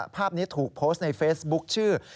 ภาพนี้ถูกโพสต์ในเฟซบุ๊คชื่อ